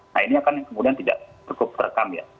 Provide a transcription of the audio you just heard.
nah ini akan kemudian tidak cukup terekam ya